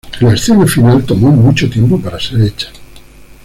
La escena final tomó mucho tiempo para ser hecha.